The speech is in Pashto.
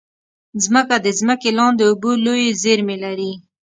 مځکه د ځمکې لاندې اوبو لویې زېرمې لري.